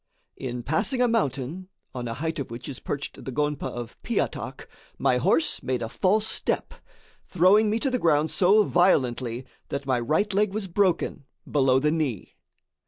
In passing a mountain, on a height of which is perched the gonpa of Piatak, my horse made a false step, throwing me to the ground so violently that my right leg was broken below the knee.